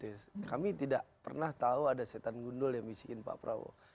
karena selama ini banyak yang menjawab tentang setan gundul yang diisikkan pak prowo